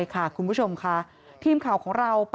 คุณผู้ชมค่ะ